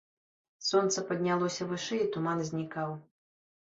Сонца паднялося вышэй, і туман знікаў.